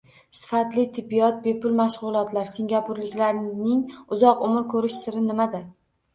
Sifatli tibbiyot, bepul mashg‘ulotlar: Singapurliklarning uzoq umr ko‘rish siri nimada?